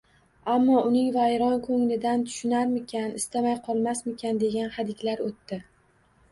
Ammo uning vayron ko'nglidan, tushunarmikan, istamay qolmasmikan dega hadiklar o'tdi.